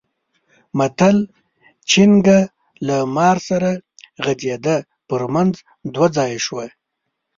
متل؛ چينګه له مار سره غځېده؛ پر منځ دوه ځايه شوه.